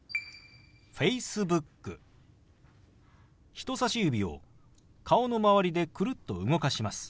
人さし指を顔の周りでくるっと動かします。